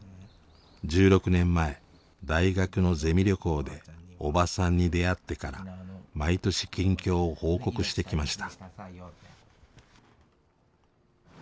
１６年前大学のゼミ旅行でおばさんに出会ってから毎年近況を報告してきました。